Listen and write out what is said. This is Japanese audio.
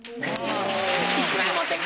１枚持って来て！